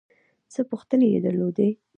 څه پوښتنې یې درلودې.